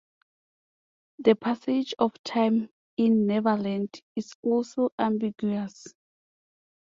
The passage of time in Neverland is also ambiguous.